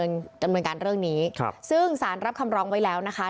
ก็เลยต้องมีการดำเนินการเรื่องนี้ซึ่งสารรับคำร้องไว้แล้วนะคะ